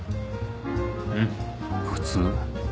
うん普通